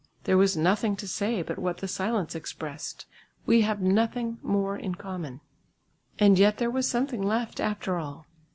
There was nothing to say but what the silence expressed: "We have nothing more in common." And yet there was something left after all.